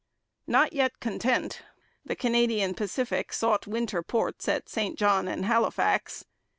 Not yet content, the Canadian Pacific sought winter ports at St John and Halifax.